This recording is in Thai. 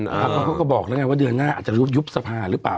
เขาก็บอกแล้วไงว่าเดือนหน้าอาจจะยุบยุบสภาหรือเปล่า